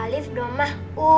alif tambah u